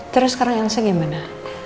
terus sekarang elsa gimana